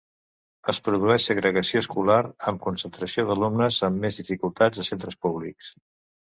Es produeix segregació escolar, amb concentració d’alumnes amb més dificultats a centres públics.